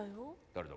誰だ？